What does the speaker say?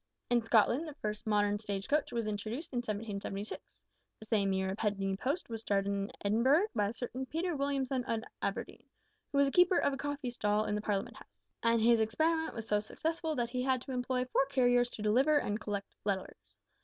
In Scotland the first modern stage coach was introduced in 1776. The same year a penny post was started in Edinburgh by a certain Peter Williamson of Aberdeen, who was a keeper of a coffee stall in the Parliament House, and his experiment was so successful that he had to employ four carriers to deliver and collect letters.